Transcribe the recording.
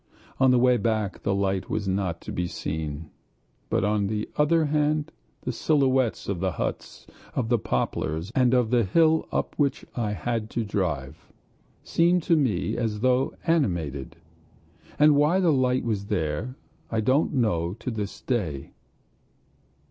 On the way back the light was not to be seen, but on the other hand the silhouettes of the huts, of the poplars, and of the hill up which I had to drive, seemed to me as though animated. And why the light was there I don't know to this day.